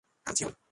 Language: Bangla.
হান সিউল হো?